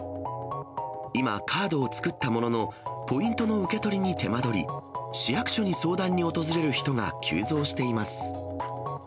今、カードを作ったものの、ポイントの受け取りに手間取り、市役所に相談に訪れる人が急増しています。